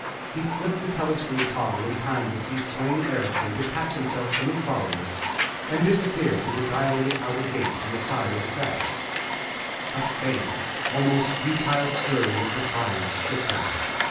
He flipped the telescreen toggle in time to see Sweyn Erikson detach himself from his followers and disappear through the dilated outer gate in the side of the Creche. A faint, almost futile stirring of defiance shook him.